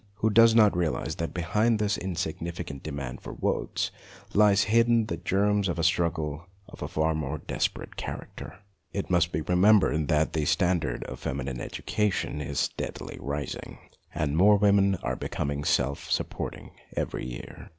who does not realize that behind this insig nificant demand for votes lies hidden the germs of a struggle of a far more desperate character. It must be remembered that the standard of feminine education is steadily rising, and more women are becoming self supporting every year.